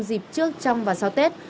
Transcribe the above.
dịp trước trong và sau tết